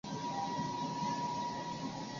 该片以梦境式的叙述呈现。